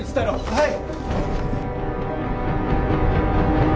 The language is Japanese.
はい！